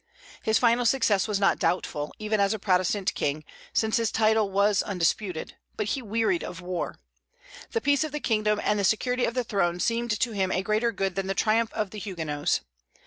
His final success was not doubtful, even as a Protestant king, since his title was undisputed; but he wearied of war. The peace of the kingdom and the security of the throne seemed to him a greater good than the triumph of the Huguenots.